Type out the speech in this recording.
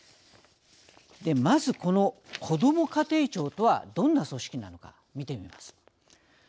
まずこのこども家庭庁とはどんな組織なのか見てみます。